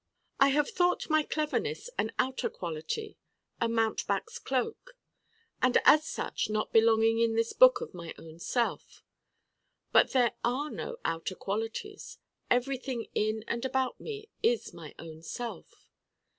I have thought my Cleverness an outer quality, a mountebank's cloak, and as such not belonging in this book of my own self. But there are no outer qualities. Everything in and about me is my own self.